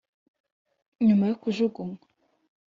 nyuma yo kujugunywa